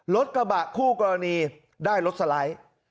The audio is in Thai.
รถกระบะผู้กรณีได้รถสลาย